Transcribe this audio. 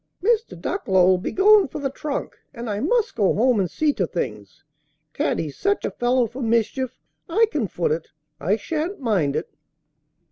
"Mr. Ducklow'll be going for the trunk, and I must go home and see to things, Taddy's such a fellow for mischief. I can foot it; I shan't mind it."